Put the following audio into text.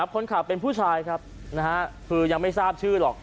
คนขับเป็นผู้ชายครับคือยังไม่ทราบชื่อหรอก